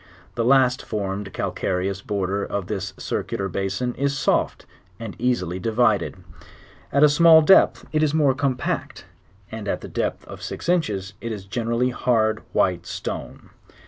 The last formed calcareous border of the circular basin is soft, and easily divided; at a small depth it is more compact; and at the depth of six inches it is generally hard white stone.